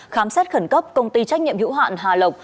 khám xét khẩn cấp công ty trách nhiệm hữu hạn hà lộc